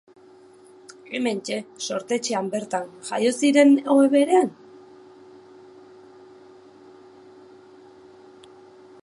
Hementxe, sortetxean bertan, jaio ziren ohe berean?